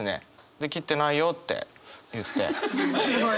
で「切ってないよ」って言って。